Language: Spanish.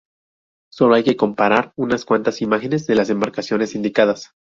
Solo hay que comparar unas cuantas imágenes de las embarcaciones indicadas.